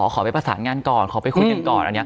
ขอไปประสานงานก่อนขอไปคุยกันก่อน